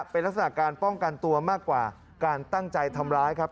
เป็นลักษณะการป้องกันตัวมากกว่าการตั้งใจทำร้ายครับ